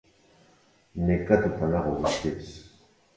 Nekatuta nago, guztiz.